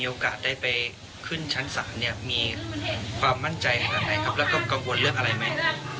มีความมั่นใจขนาดไหนครับแล้วก็กังวลเรื่องอะไรไหม